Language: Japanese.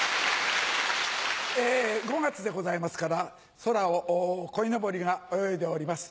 ５月でございますから空をこいのぼりが泳いでおります。